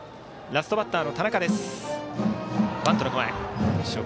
ラストバッターの田中です。